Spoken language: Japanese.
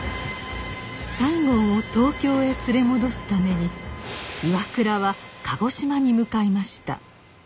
西郷を東京へ連れ戻すために岩倉は鹿児島に向かいました。